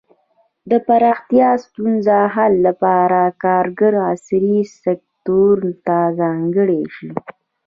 د پراختیايي ستونزو حل لپاره کارګر عصري سکتور ته ځانګړي شي.